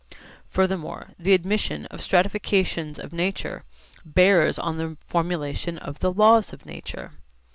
Furthermore the admission of stratifications of nature bears on the formulation of the laws of nature.